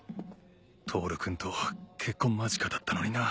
透君と結婚間近だったのになぁ。